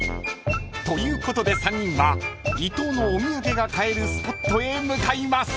［ということで３人は伊東のお土産が買えるスポットへ向かいます］